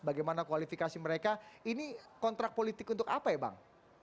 bagaimana kualifikasi mereka ini kontrak politik untuk apa ya bang